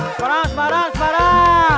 sebarang sebarang sebarang